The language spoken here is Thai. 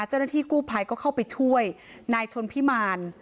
เจ้าหน้าที่กู้ภัยก็เข้าไปช่วยนายชนพิมาร